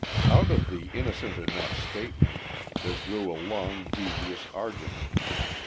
Out of the innocent enough statement there grew a long, devious argument.